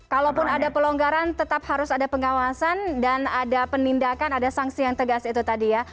kalaupun ada pelonggaran tetap harus ada pengawasan dan ada penindakan ada sanksi yang tegas itu tadi ya